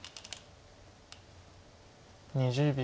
２０秒。